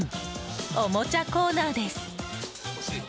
おもちゃコーナーです。